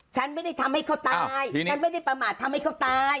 ฉันไม่ได้ทำให้เขาตายฉันไม่ได้ประมาททำให้เขาตาย